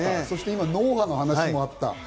そして脳波の話もあった。